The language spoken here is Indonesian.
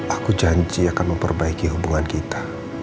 aku janji akan memperbaiki hubungan kita